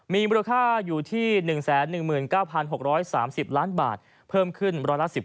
มีมูลค่าอยู่ที่๑๑๙๖๓๐ล้านบาทเพิ่มขึ้นร้อยละ๑๐